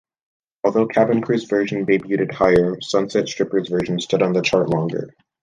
Although Cabin Crew's version debuted higher, Sunset Strippers version stood on the chart longer.